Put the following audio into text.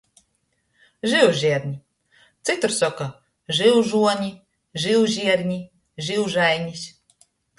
Žyužierni, cytur soka – žyužuoni, živžierni, živžainis.